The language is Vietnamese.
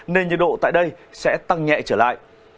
nên nhiệt độ tại đây sẽ tăng nhẹ trở lại